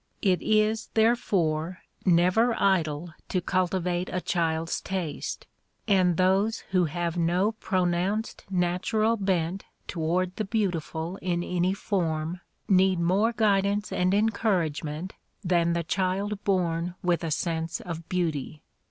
It is, therefore, never idle to cultivate a child's taste; and those who have no pronounced natural bent toward the beautiful in any form need more guidance and encouragement than the child born with a sense of beauty.